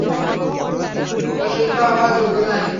ও শিক্ষক হওয়ার যোগ্য নয়।